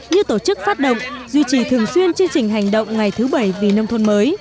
như tổ chức phát động duy trì thường xuyên chương trình hành động ngày thứ bảy vì nông thôn mới